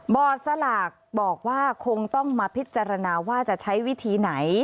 สลากบอกว่าคงต้องมาพิจารณาว่าจะใช้วิธีไหน